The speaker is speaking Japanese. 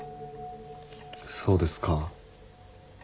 そうですか。